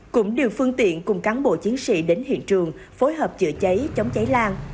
cũng điều phương tiện cùng cán bộ chiến sĩ đến hiện trường phối hợp chữa cháy chống cháy lan